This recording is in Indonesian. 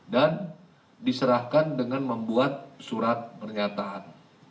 dan diserahkan dengan membuat surat pernyataan